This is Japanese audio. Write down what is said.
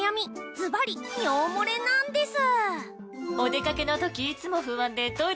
ずばり尿もれなンデス！